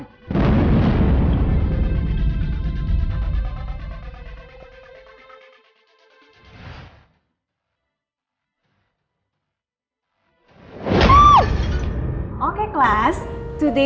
tidak aku mau ke rumah